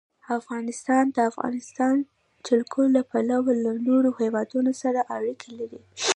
افغانستان د د افغانستان جلکو له پلوه له نورو هېوادونو سره اړیکې لري.